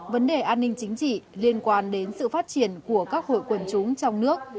vấn đề an ninh chính trị liên quan đến sự phát triển của các hội quần chúng trong nước